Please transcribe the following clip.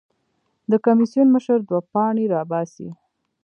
د کمېسیون مشر دوه پاڼې راباسي.